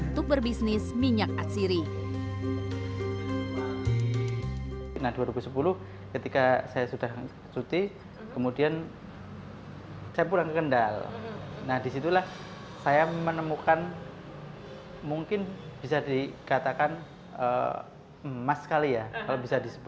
terima kasih terima kasih